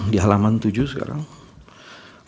di halaman tujuh sekarang